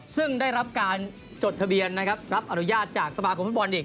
ซึ่งได้รับการจดทะเบียนนะครับรับอนุญาตจากสมาคมฟุตบอลอีก